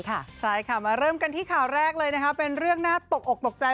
ใช่ค่ะมาเริ่มกันที่ข่าวแรกเลยนะคะเป็นเรื่องน่าตกอกตกใจ